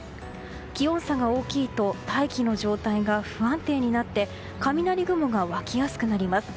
気温差が大きいと大気の状態が不安定になって雷雲が湧きやすくなります。